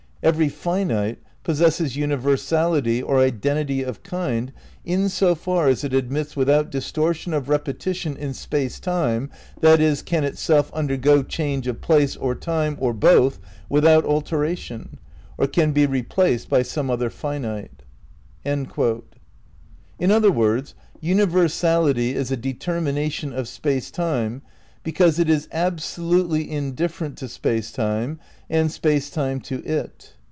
Every finite possesses universality or identity of kind in so far as it admits without distortion of repetition in Space Time, that is, can itself undergo change of place or time or both without alteration, or can be replaced by some other finite."' In other words, universality is a determination of Space Time because it is absolutely indifferent to Space Time and Space Time to it.